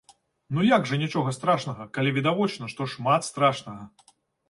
Ну як жа нічога страшнага, калі відавочна, што шмат страшнага!